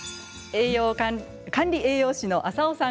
管理栄養士の浅尾さん